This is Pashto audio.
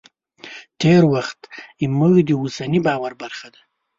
تېر وخت زموږ د اوسني باور برخه ګرځي.